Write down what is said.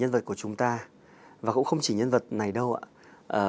nhân vật của chúng ta và cũng không chỉ nhân vật này đâu ạ